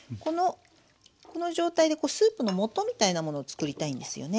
この状態でスープのもとみたいなものを作りたいんですよね。